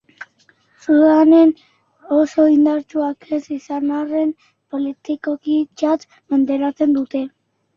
Sudanen oso indartsuak ez izan arren, politikoki Txad menderatzen dute.